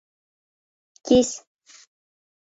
Кис